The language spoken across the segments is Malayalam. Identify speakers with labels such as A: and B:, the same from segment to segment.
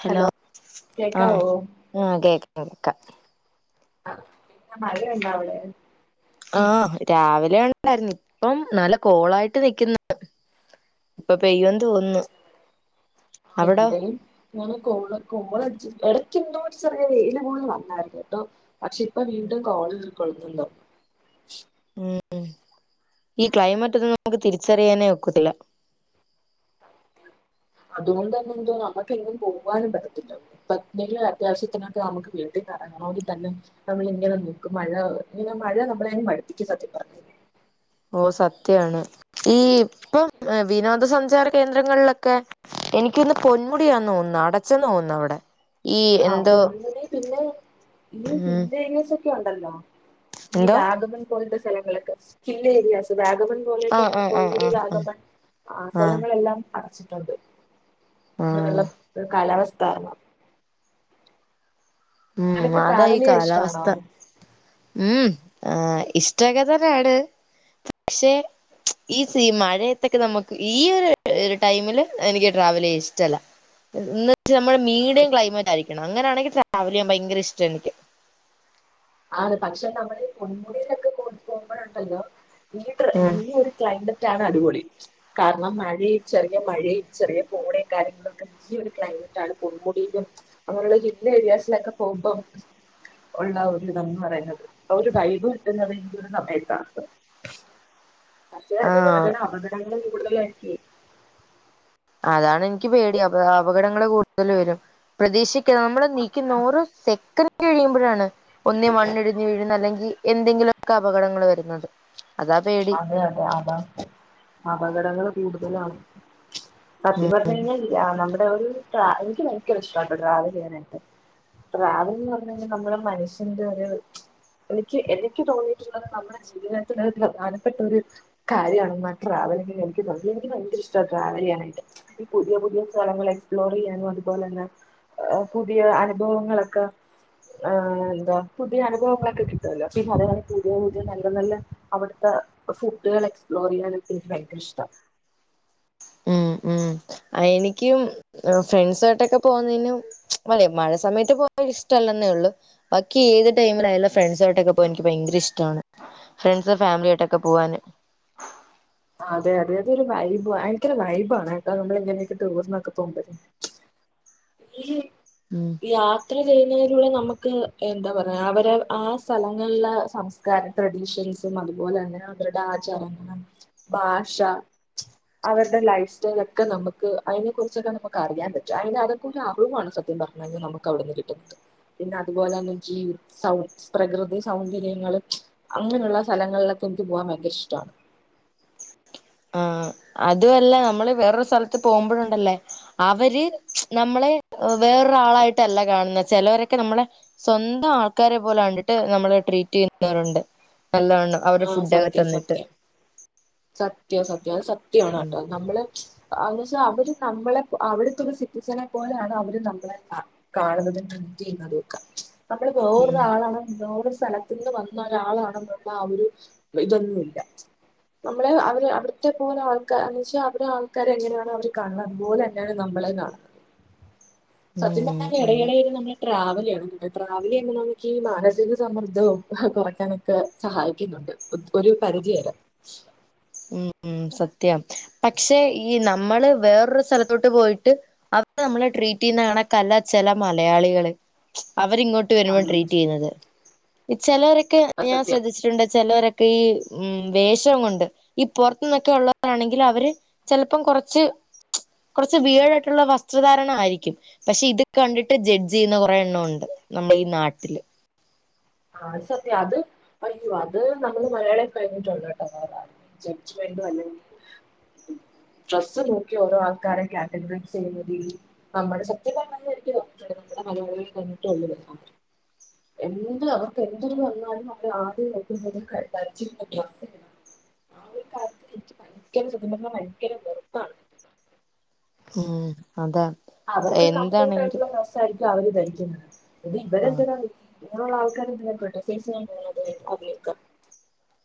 A: ഹലോ ആഹ്
B: കേക്കാവോ
A: ആഹ് കേക്കാം കേക്കാം
B: ആ പിന്നെ മഴണ്ടോ അവിടെ
A: ആ രാവിലെ [unintelligible] ഇപ്പ നല്ല കോളായിട്ട് നക്ക്ന്ന് പ്പ പെയ്യ
B: ഇവിടെയും ഞെ കോള കോളടച്ച് അട് ക്കെന്തോ ഒരു ചെറിയ വെയില വന്നായിരുന്നു ട്ടോ പക്ഷെ ഇപ്പ വീണ്ടും കോള കൊളുത്തണ്ട
A: ഉം ഈ ക്ലൈമറ്റ് ഒന്നും നമുക്ക് തിരിച്ചറിയാനേ ഒക്കത്തില്ല
B: അതുകൊണ്ടന്നെ എന്തോ നമുക്ക എങ്ങും പോവാനും പറ്റത്തില്ല ഇപ്പ എന്തെങ്കിലും അത്യാവശ്യത്തിനൊക്കെ നമുക്ക് വീട്ടിൽ നി ഇറങ്ങണമെങ്കിൽ തന്നെ നമ്മളിങ്ങനെ നോക്ക് മഴ ഇങ്ങനെ മഴ നമ്മളെങ്ങനെ മടുപ്പക്ക് സത്യം പറഞ്ഞെ
A: ഓ സത്യാണ് ഈ ഇപ്പം വിനോദ സഞ്ച സചാര കേന്ദ്രങ്ങളിലൊക്കെ എനിക്കൊന്ന് പൊന്മുടിയാ തോന്ന അടച്ചന്ന് തോന്നുന്നു അവി
B: ആഹ് പൊങ്ങനെ പിന്നെ
A: ഉം
B: പിന്നെ ഉണ്ടല്ലോ
A: എന്തോ
B: ഇത്ഗതന് കൊട്ട സ്കിൽ ഏരിയാസ് ാഗമൻ
A: ആഹ്
B: പോലെയൊക്കെല
A: ആഹ്
B: പൊ
A: ആഹ്
B: കൂടി
A: ആഹ്
B: വാഗൻ ആ
A: ആഹ്
B: സ്ഥലങ്ങളെല്ലാം അടച്ചിട്ട അണ്ട്
A: ആഹ്
B: കാലാവസ്ഥ ത
A: ഉം
B: അനക്ക്
A: അതാ ഈ
B: ട്രാവൽ ചെയ്യാൻ ഇഷ്ടാണോ
A: കാലാവസ്ഥ ഉം ആ് ഇഷ്ടൊക്കെ തന്നെയാണ് പക്ഷെ ഈഈ മഴയത്തൊക്കെ നമുക്ക് ഈ ഒരു ഒരു ടൈമില് എനിക്ക് ട്രാവൽ ചെയ്യാൻ ഇഷ്ടല്ല ഇന്ന് നമ്മുടെ മീഡം ക്ലൈമാറ്റായിരിക്കണം അങ്ങനൊണെങ്ക ട്രാവലെയ്യാൻ ഭയങ്കര ഇഷ്ടം എനിക്ക്.
B: ആ പക്ഷെ നമ്മൾ ഈ പൊന്മുടിയിലൊക്കെ കൂടു പോകുമ്പോഴുണ്ടല്ലോ ഈ
A: ഉം
B: ഈ ഒരു ക്ലൈമറ്റ ആണ് അടിപൊളി കാരണം മഴ ചെറിയ മഴയും ചെറിയ പോണയും കാര്യങ്ങളൊക്കെ ഈ ഒരു ക്ലൈമറ്റ് ആണ് പൊന്മുടിയിലും അങ്ങനുള്ള ഇിന്ന ഏരിയാസിലൊക്കെ പോകുമ്പം ഉള്ള വിതംന്ന് പറയുന്നത് അപ്പൊ ഒരു കഴിവ് കിട്ടുന്നത് ഈ ഒരു സമയത്താണ്. പക്ഷെ
A: ആഹ്
B: അതുപോലെതന്നെ അപകടങ്ങൾ കൂടുതലായിരിക്കും
A: അതാണ് എനിക്ക് പേടി അ അപകടങ്ങൾ കൂടുതൽ വരും പ്രതീക്ഷ നമ്മള് നിൽക്കുന്ന ഓരോ സെക്കന്റ് കഴിയുമ്പോ- ഴാണ് ഒന്നേ മണ്ണിടിഞ്ഞ് വീഴുന്ന അല്ലെങ്കിൽ എന്തെങ്കിലും ക്ക് അപകടങ്ങള് വരുന്നത് അതാ പേടി
B: അതെ അതെ അപ അപകടങ്ങൾ കൂടുതലാണ്
A: ഉം
B: കത്തി പറഞ്ഞു കഴിഞ്ഞാല് നമ്മുടെ ഒരു എനിക്ക് ഭയങ്കര ഇഷ്ടമായിട്ടോ ട്രാവൽ ചെയ്യാനായിട്ട് ട്രാവൽ എന്ന് പറഞ്ഞ കഴിഞ്ഞൽ നമ്മുടെ മനുഷ്യന്റെ ഒരു എനിക്ക് എനിക്ക് തോന്നിയിട്ടുള്ളത് നമ്മുടെ ജീവിതത്തിൽ ഒരു പ്രധാന പെട്ടൊ ഒരു കാര്യണ ട്രാവലിങ്ങി എനിക്ക് തോന്ന എനിക്ക് ഭയങ്കര ഇഷ്ട ട്രാവൽ ചെയ്യാനായിട്ട് പുതിയ പുതിയ സ്ഥലങ്ങൾ എക്സ്പ്ലോർ ചെയ്യാനും അതുപോലെ തന്നെ പുതിയ അനുഭവങ്ങളൊക്കെ എന്താ പുതിയ അനുഭവങ്ങളൊക്കെ കിട്ടല്ല പിന്നെ അതേപോലെ പുതിയ പുതിയ നല്ല നല്ല അവിടത്തെ ഫുഡുകൾ എക്സ്പ്ലോർ ചെയ്യാനൊക്കെ എനിക്ക് ഭയങ്കര ഇഷ്ട
A: ഉം ഉ എനിക്കും ഫ്രണ്ട്സായിട്ടൊക്കെ പോവുന്നന് അല്ലെ മഴ സമയത്ത പോയാൽ ഇഷ്ടമല്ലെന്നേ ഉള്ളു ബാക്കി ഏത് ടൈമിൽ ആയാലും ഫ്രണ്ട്സ് ആയിട്ടൊക്കെ പോൻ എനിക്ക് ഭയങ്കര ഇഷ്ടമാണ് ഫ്രണ്ട്സ് ഫാമിലിയായിട്ടൊക്കെ പോവാന്
B: ഒരു വൈബ് ആണ് നമ്മളിങ്ങനെയൊക്കെ ടൂറിനൊക്കെ പോകുമ്പോ ഏ
A: ഉം
B: യാത്ര ചെയ്യുന്നതിലൂടെ നമുക്ക് എന്താ പറയാ അവരെ ആ സ്ഥലങ്ങളുള്ള സംസ്കാരം ട്രഡീഷൻസും അതുപോലെ തന്നെ അവരുടെ ആചാരങ്ങള ഭാഷ അവരുടെ ലൈഫ് സ്റ്റൈല ഒക്കെ നമുക്ക് അതിനെ കുറച്ചൊക്കെ നമുക്ക് അറിയാൻ പറ്റും അ അതെ ഒരു അറിവാണ് സത്യം പറഞ്ഞ കഴിഞ്ഞാൽ നമുക്ക് അവിടുന്ന് കിട്ടുന്നത് പിന്നെ അതുപോലെ തന്നെ ജീ സൗ പ്രകൃതി സൗന്ദര്യങ്ങളും അങ്ങനെയുള്ള സ്ഥലങ്ങളിലൊക്കെ എനിക്ക് പോകാൻ ഭയങ്കര ഇഷ്ടമാണ്
A: ആ അത അല്ല നമ്മള് വേറൊരു സ്ഥലത്ത് പോകുമ്പോഴണ്ടല്ലേ അവര് നമ്മളെ വേറൊരാളായിട്ടല്ല കാണുന്ന ചിലവരൊക്കെ നമ്മളെ സ്വന്തം ആൾക്കാരെ പോലെ കണ്ടിട്ട് നമ്മള് ട്രീറ്റ് ചെയ്യുന്നവരുണ്ട് നല്ലോണ്ണം അവരുടെ ഫുഡൊക്കെ തന്നിട്ട്
B: സത്യ സത്യം അത് സത്യമാണ്
A: ഉം
B: കേട്ടോ നമ്മള് അ പ അവര് നമ്മളെ അവിടുത്തെ ഒരു സിറ്റിസനെ പോലെയാണ് അവര് നമ്മളെ കാ കാണുന്നതും ട്രീറ്റ് ചെയ്യുന്നതൊക്കെ നമ്മള് വേറൊരു
A: ഉം
B: ആളാണ് ലോറിസ് സ്ഥലത്തന്ന് വന്ന ഒരാളാണെന്നുള്ള ആ ഒരു ഇതൊന്നുമല്ല നമ്മളെ അവര് അവിടത്തെ പോലെ ആൾക്കാന്ന് വെച്ചാ അവവിടെ ആൾക്കാരെ എങ്ങനെയാണ് അവര് കാണുന്നത് അതുപോലെ തന്നെയാണ് നമ്മളെ കാണുന്നത് സത്യൻ
A: ഉം
B: പറഞ്ഞ
A: അതാ
B: ഇടയിടയിരുന്നു നമ്മള് ട്രാവലിയണ ട്രാവല നമുക്ക്ഈ മാനസിക സമ്മർദ്ദവും കുറയ്ക്കാനൊക്കെ സഹായിക്കുന്നുണ്ട് ഒരു പരിധി വരാം ശ
A: ഉം സത്യം പക്ഷെ ഈ നമ്മള് വേറൊരു സ്ഥലത്തോട്ട് പോയിട്ട് അവര് നമ്മളെ ട്രീറ്റ് ചെയ്യുന്ന കാണ കല ചില മലയാളികള് അവരിങ്ങോട്ട് വരുമ്പോൾ ട്രീറ്റ്
B: അത്
A: ചെയ്യുന്നത് ഇത് ഞൻ
B: സത്യം
A: ശ്രദ്ധിച്ചിട്ടുണ്ട് ചിലവരൊക്കെ ഈ ഉം വേഷം കൊണ്ട് ഈ പുറത്തു നിന്നൊക്കെ ഉള്ളവരാാണെങ്കിൽ അവര് ചിലപ്പം കൊറച്ച് കൊറച്ച് വീടായിട്ടുള്ള വസ്ത്രധാരണ ആയിരിക്കും പക്ഷെ ഇത് കണ്ടിട്ട് ജഡ്ജ് ചെയ്യുന്ന കുറെേ എണ്ണമുണ്ട് നമ്മുടെ ഈ നാട്ടില്
B: ആ അത് സത്യം അത് പറയൂ അത് നമ്മള് മലയാളികൽ കഴിഞ്ഞിട്ടള്ള കേട്ട ജഡ്ജ്മെന്റും അല്ലെങ്കിൽ ഡ്രസ്സ് നോക്കി ഓരോ ആൾക്കാരും കാറ്റഗറൈസ് ചെയ്യുന്നതിൽ നമ്മുടെ സത്യം പറഞ്ഞരിക്കും നമ്മുടെ മലയാളികൽ കഴിഞ്ഞിട്ടേ ഉള്ളൂ അവർക്ക് എന്തൊരു വന്നാലും അവര് ആദ്യം നോക്കി ധരിച്ചിരുന്ന ആ ഒരു കാര്യത്തിന് എനിക്ക് ഭയങ്കര സത്യം ഭയങ്കര വെറുപ്പാണ്
A: ഉം അതാ
B: അവർക്ക് കംഫോർട്ട്
A: എന്താണെങ്കിലും
B: ആയിട്ടുള്ള ഡ്രസ്സ് ആയിരിക്കും അവര് ധരിച്ചിരുന്ന
A: ആഹ്
B: ഇവരെന്തിന ഈ അങ്ങനെയുള്ള ആൾക്കാര് [unintelligible]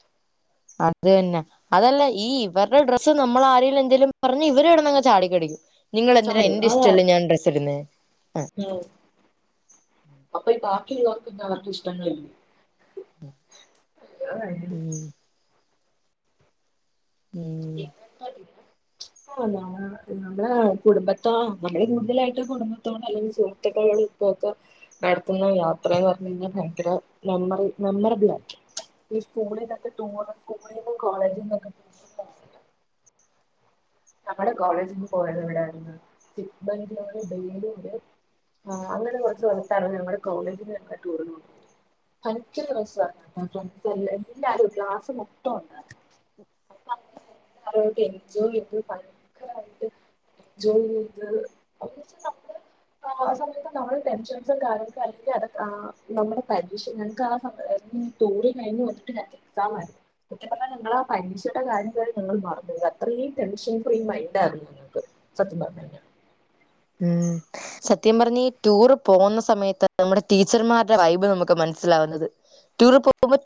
A: അത് തന്നെ അതല്ല ഈ ഇവരുടെ ഡ്രസ്സ് നമ്മൾ ആരെലും എന്തേിലും പറഞ്ഞ ഇവര് കിടന്നങ്ങ് ചാടിക്കടിക്കും നിങ്ങളെന്തിന
B: ചാട്
A: എന്റെ
B: അതാ
A: ഇഷ്ടല്ലേ ഞാൻ ഡ്രസ്സ് ഇടുന്ന ആ
B: അപ്പൊഈ ബാക്കിയുള്ളവർക്ക് ക്ക് അവർക്ക് ഇഷ്ടണ്
A: ഉം ഉം
B: പിന്നെ കളി [unintelligible] ആ നമ്മ നമ്മുടെ കുടുംബത്ത നമ്മള് കൂടുതലായിട്ട് കുടുംബത്തോട് അല്ലെങ്കിൽ സുഹൃത്തുക്കളോട് ഇപ്പൊക്കെ നടത്തുന്ന യാത്രന്ന് പറഞ്ഞ് കഴിഞ്ഞാൽ ഭയങ്കര മെമ്മറി മെമ്മറബിൾ ആയി ഈ സ്കൂള ഇതൊക്കെ ടൂർ സ്കൂളിൽ നിന്നും കോളേജിൽ നിന്നൊക്കെ ടൂ നമ്മടെ കോളേജിൽ നിന്ന് പോയത് എവിടൊയിരുന്നു സിറ്റ്ബംഗൂളര് ബൈയിംഗുളുര് അങ്ങനെ കുറച്ച് സ്ഥലത്തായിരുന്നു ഞമ്മടെ കോളേജിൽ നിന്നെക്കെ ടൂറിന് കൊണ്ടു പോയത് ഭയങ്കര രസയിരുന്ന [unintelligible] എല്ലരും ക്ലാസ് മെത്തം ഉണ്ടായിരുന്നു അപ്പ അങ്ങനെ എല്ലരും ഒക്കെ എൻജോയ് ഭയങ്കര മഴയത്ത് എൻജോയ് ചെയ്ത് [unintelligible] സമയത്ത് നമ്മൾ ടെൻഷൻസും [unintelligible] അ നമ്മുടെ പരീക്ഷ ഞങ്ങക്ക് ആ തോറി കഴിഞ്ഞ് വന്നിട്ട് എക്സാം ആയിരുന്നു മറ്റ പറഞ്ഞാൽ ഞങ്ങള ആ പരീക്ഷയുടെ കാര്യങ്ങള ഞങ്ങൾ മാറ അത്രയും ടെൻഷൻ ഫ്രീ മൈൻറ്റ് ആരുന്നു ഞങ്ങൾക്ക് സത്യം പറഞ്ഞ് കഴിഞ്ഞ
A: ഉം സത്യം പറഞ്ഞ ഈ ടൂർ പോകന്ന സമയത്ത് നമ്മുടെ ടീച്ചർരുടെ വൈബ് നമുക്ക് മ മനസിലാവുന്നത് ടൂറ് പോകുമ്പോ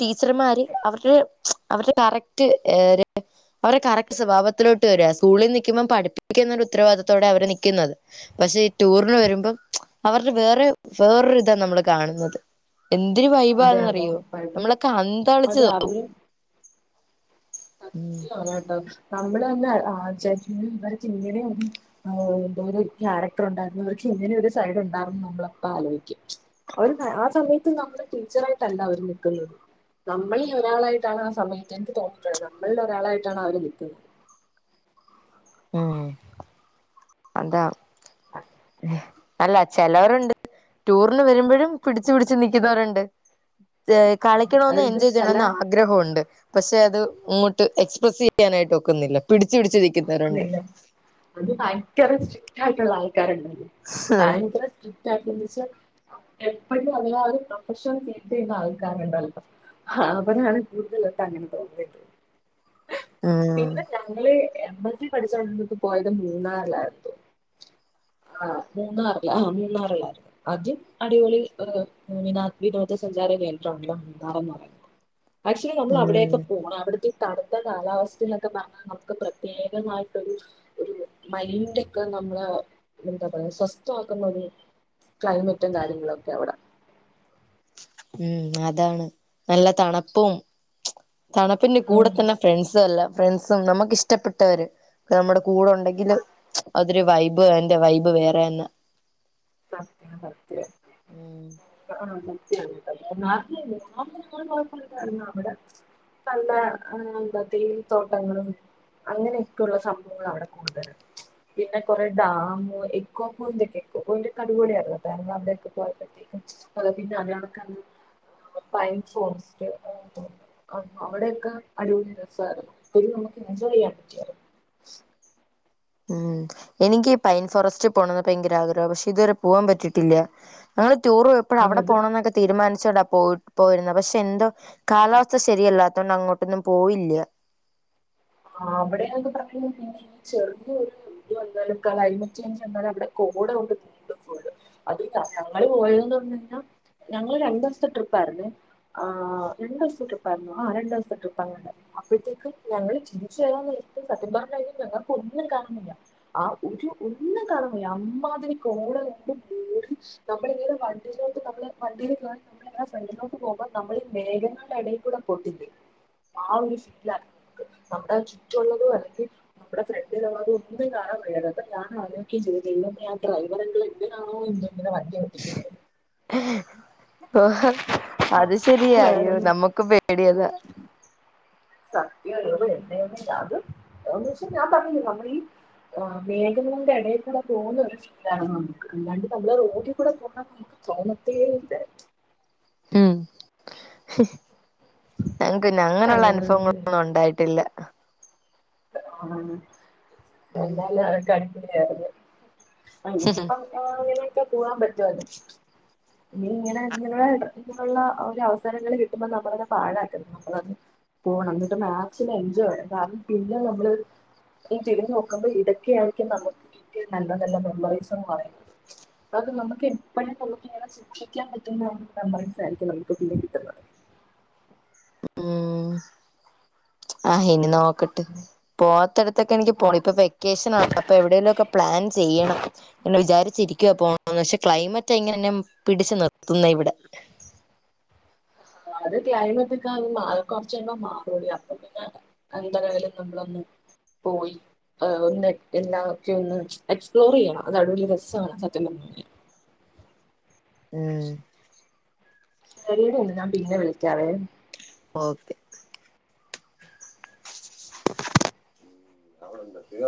B: സത്യം
A: ടീച്ചർമാര്
B: സത്യം
A: അവരുടെ അവരുടെ കറക്റ്റ് ഏ അവടെ കറക്റ്റ് സ്വഭാവത്തിലോട്ട് വരക സ്കൂളിൽ നിൽക്കുമ്പോം പഠിപ്പിക്കുന്നരു ഉത്തരവാദിത്തോടെ അവരെ നക്കുന്നത് പക്ഷെ ഈ ടൂറിന് വരുമ്പം അവരുടെ വേറെ വേറൊരു ഇതാ നമ്മള് കാണുന്നത് എന്തൊരു
B: അതെ
A: വൈബാന്ന്
B: അതെ
A: അറിയോ
B: ഉറപ്പായിട്ടും
A: നമ്മളൊക്കെ അന്തളിച്ചു
B: അതെ
A: നിൽക്കും
B: അവര്
A: ഉം
B: സത്യമാണ് കേട്ടോ നമ്മള് തന്നെ ആചരി ഇവർക്ക് ഇങ്ങനെ ഒരു എന്തോ ഒരു ക്യാരക്ടർ ഉണ്ടായിരുന്നു അവർക്ക് ഇങ്ങനെ ഒരു സൈഡ് ഉണ്ടായിന്ന് നമ്മളപ്പ ആലോയിക്കും അവര് ആ സമയത്ത് നമ്മള് ടീച്ചറായിട്ടല്ല അവര് നിക്കുന്നത് നമ്മളിൽ ഒരാളായിട്ടാണ് ആ സമയത്ത് എനിക്ക് തോന്നിട്ടുള്ളത് നമ്മളിൽ ഒരാളായിട്ടാണ് അവര് നിക്കുന്നത്
A: ഉം അതാ അല്ല ചെലവരുണ്ട് ടൂറിന് വരുമ്പോഴും പിടിച്ച് പിടിച്ച് നിക്കുന്നവരുണ്ട് കളിക്കണം
B: അവർക്ക്
A: എന്നുംഎൻജോയ്
B: ചില
A: ചെയ്യണമെന്ന് ആഗ്രഹമുണ്ട് പക്ഷെ അത് അങ്ങോട്ട് എക്സ്പ്രസ് ചെയ്യാനായിട്ട് ഒക്കുന്നില്ല പിടിച്ച് പിടിച്ച് നിക്കുന്നവരുണ്ട്
B: നില്ല അത് ഭയങ്കര സൃക് ഇതായിട്ടുള്ള കാരണ്ട് [unintelligible] എപ്പോഴും അതികം ആളും പ്രൊഫഷൽ കീപ് ചെയ്യുന്ന ആൾക്കാരാണ് ഇപ്പം അവരാണ് കൂടുതലാട്ട് അങ്ങനെ തോന്നത്
A: ഉം
B: പിന്നെ ഞങ്ങള് എമ്മ് പത്തീപഠിച്ചോണ്ടിരിന്നപ്പോപോയത് മൂന്നാറിലായിരുന്നു ആ മൂന്നാറില് ആ മൂന്നാറിലായിരുന്നു അത് അടിപൊളി [unintelligible] വിനോദ സഞ്ചാര കേന്ദ്രാണല്ലോ മൂന്നാർന്ന് പറയന്നേ ആക്ച്വലി നമ്മൾ അവിടെയൊക്കെ
A: ഉം
B: പോകണം അവിടുത്തെ കടുത്ത കാലാവസ്ഥയിലൊക്കെ തങ്ങാൻ നമുക്ക് പ്രത്യേക മായിട്ടോരു ഒരു മൈൻഡ് ഒക്കെ നമ്മള എന്താ പറയാ സ്വസ്ഥമാക്കുന്ന ഒരു ക്ലൈമറ്റും കാര്യങ്ങളും ഒക്കെയാ അവിടെ
A: ഉം അതാണ് നല്ല തണുപ്പും തണുപ്പിന്റെ കൂടെ
B: ഉം.
A: തന്നെ ഫ്രണ്ട്സ് എല്ലാം ഫ്രണ്ട്സും നമുക്ക് ഇഷ്ടപ്പെട്ടവര് നമ്മുടെ കൂടൊണ്ടെങ്കിൽ അതൊരു വൈബ് ബ് എൻറെ വൈബ് വേറെയാന്ന്
B: സത്യം സത്യം ആഹ [unintelligible] അവിടെ നല്ല എന്താ തേൽത്തോട്ടങ്ങളും അങ്ങനെയൊക്കെയ ഉള്ള സംഭവങ്ങളാ അവിടെ കൂടുതലും പിന്നെ കൊറെ ഡാമും എക്കോ പോയിന്റൊക്കെ ഓരൊക്കെ അടിപൊളിയായിരുന്നു കേരള അവിടൊക്കെ പോയപ്പോഴത്തേക്കും അ പിന്നെ അതേകണക്ക് തന്നെ പൈൻ ഫോറസ്റ്റ് അവിടൊക്കെ അടിപൊളിയായിരുന്നു ഇ നമുക്ക് എൻജോയ് ചെയ്യാൻ പറ്റിയാരുന്നു
A: ഉം എനിക്ക് പൈൻ ഫോറസ്റ്റ് പോണംന്ന് ഭയങ്കര ആഗ്രഹമാണ് പക്ഷെ ഇതുവരെ പോവാൻ പറ്റിയിട്ടില്ല ഞങ്ങ ടൂറ് എപ്പോഴ അവിടെ
B: അത്
A: പോണംന്നൊക്കെ തീരുമാനം ശെടാ പോയി പോയിരുന്നു പക്ഷെ എന്തോ കാലാവസ്ഥ ശരിയല്ലാത്തൊണ്ട് അങ്ങോട്ടൊന്നും പോയില്ല
B: ആ അവിടൊക്കെ പറഞ്ഞ ക പിന്നെ ഈ ചെറിയൊരു ഇത് വന്നാലും ക്ലൈമറ്റ് ചേഞ്ച് വന്നാലും അവിടെ കോട കൊണ്ട് നീണ്ട പോകും അത് ഞങ്ങള് പോയതെന്ന് പറഞ്ഞ് കഴിഞ്ഞാൽ ഞങ്ങള് രണ്ട് ദിവസത്തെ ട്രിപ്പ് ആായിരുന്നു ആ രണ്ടു ദിവസത്തെ ട്രിപ്പായിരുന്നു ആ രണ്ടു ദിവസത്തെ ട്രിപ്പ് അങ്ങ ഉണ്ടായിരുന്നു അപ്പോഴത്തേക്ക് ഞങ്ങള് [unintelligible] ഒന്നും കാണാമയ്യ ആ ഒരു ഒന്നും കാണാമയ്യ അമ്മാതിരി കോടെണ്ടടി നമ്മളിങ്ങനെ വണ്ടിയിലോട്ട് നമ്മ വണ്ടിൽ നമ്മൾങ്ങനെ ഫ്രണ്ടിലോട്ട് പോകുമ്പോൾ നമ്മൾ ഈ മേഘങ്ങളുടെ ഇടയിൽ കൂടെ പെട്ടില്ലേ ആ ഒരു ഫീലാമുക്ക് നമ്മുടെ ആ ചുറ്റുംള്ളതോ അല്ലെങ്കിൽ നമ്മുടെ ഫ്രണ്ട്ള്ളതോ ഒന്നും കാണാൻ വയ്യ അപ്പൊ ഞാൻ ആലോചിക്കുകയും ചെയ്തിട്ടാ ഇതൊന്ന് ആ ഡ്രൈവർ അങ്കിൾ എന്തിനാണോ എന്നും ഇങ്ങനെ വണ്ടി ഓട്ടിക്കുന്നേന്ന്
A: ഓ അത് ശരിയായോ
B: ഓട്ടിക്കുന്നത്
A: നമ്മുക്ക് പേടിയതാ
B: സത്യല്ലത് എന്നൊന്നില്ല അത് അതെന്ന് വെച്ചാൽ ഞാൻ പറഞ്ഞില്ലേ നമ്മൾ ഈ മേഘങ്ങളുടെ ഇടയിൽ കൂടെ പോകുന്ന ഒരു ഫീലാണ് നമുക്ക് അല്ലാണ്ട് നമ്മള് റോഡിൽ കൂടെ പോന്ന നമുക്ക് തോന്നത്തേയില്ല
A: ഉം ഞങ്ങക്ക്ന്ന അങ്ങനെയുള്ള
B: അങ്ങനെ
A: അനുഭവങ്ങളൊന്നും ഉണ്ടായിട്ടില്ല ആ
B: ആഹ [unintelligible] അതതെ ഇങ്ങിപ്പം ന്താങ്ങനെ െ പോവാൻ പറ്റുവല്ലും ഇനി ഇങ്ങനെ ഇങ്ങനെ ഇുള്ള ഒരു അവസരങ്ങള്ൾ കിട്ടുമ്പോൾ നമ്മളത് പാഴാക്കണം നമ്മളന്ന് പോണം എന്നിട്ട് മാച്ചില് എൻജോയ് വണം പിന്നെ നമ്മള് തിരിഞ്ഞു നോക്കുമ്പോൾ ഇതൊക്കെയ ആയിരിക്കും നമുക്ക് നല്ല നല്ല മെമ്മറീസ് എന്ന് പറയുന്നത് അത് നമുക്ക് എപ്പോഴും നമുക്ക് ഇങ്ങനെ സൂക്ഷിക്കാൻ പറ്റുന്ന മെമ്മറീസ് ആയിരിക്കും നമുക്ക് പിന്നെ കിട്ടുന്നത്
A: ഉം ആ് ഇനി നോക്കട്ട് പോത്തിടത്തൊക്കെ എനിക്ക് പോണം ഇപ്പൊ വെക്കേഷൻ ആണ് അപ്പൊ എവിടെേലും ഒക്കെ പ്ലാൻ ചെയ്യണം എന്നന്ന് വിചാരിച്ചിരിക്കും പോണം പക്ഷെ ക്ലൈമറ്റ് എങ്ങനെന്നെ പിടിച്ചു നിർത്തുന്ന ഇവിടെ
B: അത് ക്ലൈമറ്റ് ഒക്കെ അ മാ കൊറച്ചുമ്പോ മാറൂടി അപ്പ പിന്നെ എന്തരിലും നമ്മളൊന്ന് പോയി ഒന്ന് എല്ലാം ഒക്കെ ഒന്ന് എക്സ്പ്ലോർ ചെയ്യണം അത അടിലിയ രസമാണ് സത്യം പറഞ്ഞെ
A: ഉം
B: ശരിീടന്ന് ഞാൻ പിന്നെ വിളിക്കറെ
A: ഓക്കെ ഉ അവടെ എന്ത